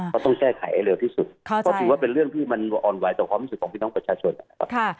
ก็ต้องแก้ไขเร็วที่สุดทำให้ว่าเป็นเรื่องที่เลยมันวอกออนไวต์ต่อเมื่อสุดของพี่ด้านประชาชนครับ